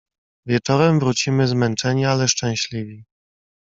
"Wieczorem wrócimy zmęczeni ale szczęśliwi."